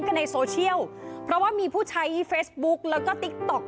กันในโซเชียลเพราะว่ามีผู้ใช้เฟซบุ๊กแล้วก็ติ๊กต๊อก